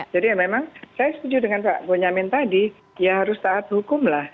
jadi memang saya setuju dengan pak bo nyamin tadi ya harus taat hukum lah